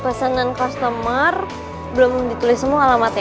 pesanan customer belum ditulis semua alamatnya